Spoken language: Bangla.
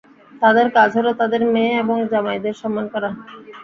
তাদের কাজ হল তাদের মেয়ে এবং জামাইদের সম্মান করা।